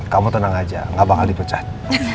kamu tenang aja gak bakal dipecat